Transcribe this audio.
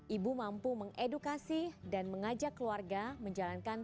ibu mampu mengedukasi dan mengajak keluarga menjalankan